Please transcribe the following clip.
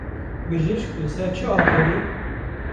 Bijîşk li ser çi axivî?